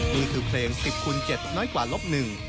นี่คือเพลง๑๐คูณ๗น้อยกว่าลบ๑